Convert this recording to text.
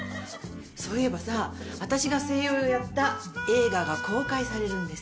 そういえばさ私が声優をやった映画が公開されるんです。